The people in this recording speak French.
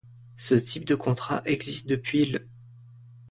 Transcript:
Ce type de contrat existe depuis l'.